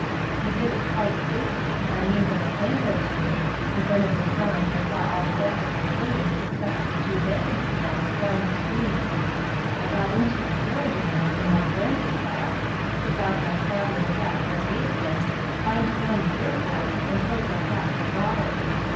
We did it quite safely, by means of a plank or two, and when it was done I saw all the rest of the train, except the two baggage vans, down the stream. I got into the carriage again for my brandy flask, took off my travelling hat for a basin, climbed down the brickwork, and filled my hat with water.